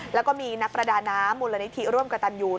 แล้วก็มีนักประดาน้ำมูลนิธิร่วมกับตันยู